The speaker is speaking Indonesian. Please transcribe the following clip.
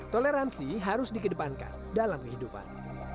toleransi harus dikedepankan dalam kehidupan